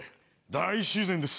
大自然です。